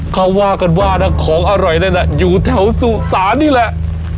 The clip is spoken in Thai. เขาว่ากันว่านะของอร่อยนั่นน่ะอยู่แถวสุสานนี่แหละ